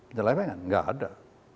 nyelewengan enggak ada